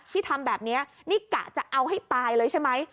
ที่ทำแบบนี้นี่กะจะเอาให้ตายเลยใช่ไหม